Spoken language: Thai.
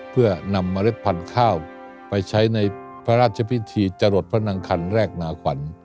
เพื่อนำเมล็ดพันธุ์ข้าวไปใช้ในพระราชพิธีจรดพระนางคันแรกนาขวัญ